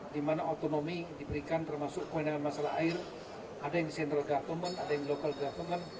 dimana otonomi diberikan termasuk kemudian masalah air ada yang di central government ada yang di local government